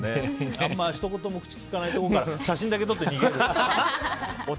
あんまひと言も口をきかないで写真だけ撮って逃げる。